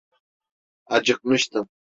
Acıkmıştım.